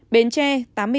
bến tre tám mươi bốn